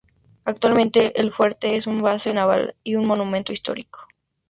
Actualmente el fuerte es una base naval y un monumento histórico.